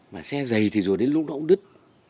mà xe dày thì rồi đến lúc nó cũng đứt